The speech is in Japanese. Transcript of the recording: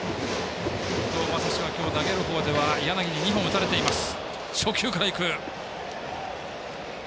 伊藤将司は今日、投げる方では柳に２本、打たれています。